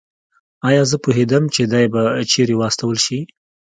ایا زه پوهېدم چې دی به چېرې واستول شي؟